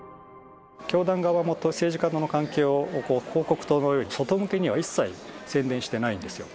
教団側も政治家との関係を広告塔のように、外向けには一切宣伝してないんですよ。